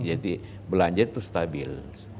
jadi belanja itu stabil